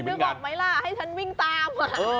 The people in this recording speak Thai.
นึกออกไหมล่ะให้ฉันวิ่งตาม